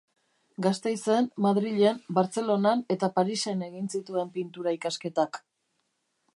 Gasteizen, Madrilen, Bartzelonan eta Parisen egin zituen Pintura ikasketak.